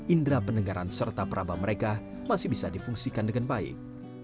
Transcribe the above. indera pendengaran serta perabah mereka masih bisa difungsikan dengan baik